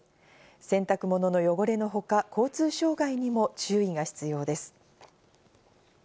洗濯物の汚れのほか交通障害にも注意が必要です。